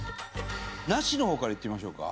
なしの方からいってみましょうか。